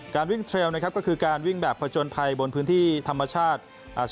การวิ่งเทรลนะครับก็คือการวิ่งแบบผจญภัยบนพื้นที่ธรรมชาติ